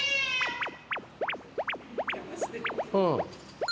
うん。